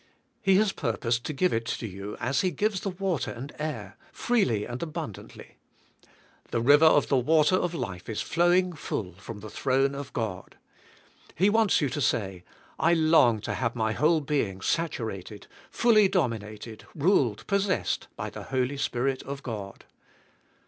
He has purposed to g ive it to you as He g ives the water and air, freely and abundantly. The river of the water of life is flowing full from the throne of God. He wants you to say, 1 long" to have my whole being saturated, fully dominated, ruled, possessed by the Holy Spirit of God.